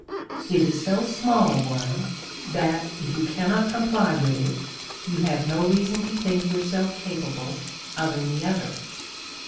It is so small a one that if you cannot comply with it, you have no reason to think yourself capable of any other.